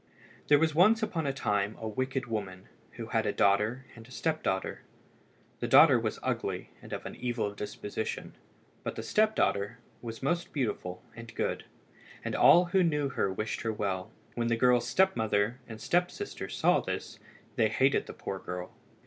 There was once upon a time a wicked woman who had a daughter and a step daughter. The daughter was ugly and of an evil disposition, but the step daughter was most beautiful and good, and all who knew her wished her well. When the girl's step mother and step sister saw this they hated the poor girl.